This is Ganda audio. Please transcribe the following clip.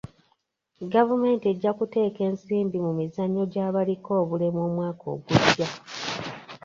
Gavumenti ejja kuteeka ensimbi mu mizannyo gy'abaliko obulemu omwaka ogujja.